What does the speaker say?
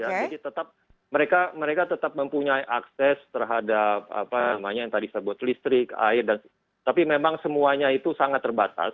jadi tetap mereka mereka tetap mempunyai akses terhadap apa namanya yang tadi sebut listrik air dan tapi memang semuanya itu sangat terbatas